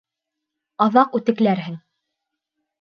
Аҙаҡ үтекләрһең!